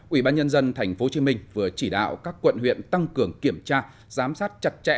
ủy ban nhân dân tp hcm vừa chỉ đạo các quận huyện tăng cường kiểm tra giám sát chặt chẽ